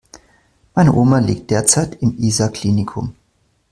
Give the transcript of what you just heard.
Meine Oma liegt derzeit im Isar Klinikum.